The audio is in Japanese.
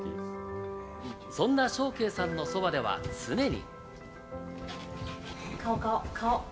そんな祥恵さんのそばでは常に。